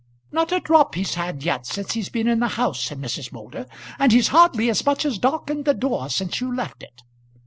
"Not a drop he's had yet since he's been in the house," said Mrs. Moulder. "And he's hardly as much as darkened the door since you left it."